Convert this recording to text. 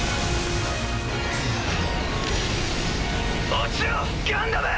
墜ちろガンダム！